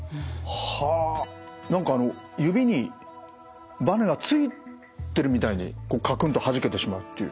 はあ何か指にばねがついてるみたいにかくんとはじけてしまうという。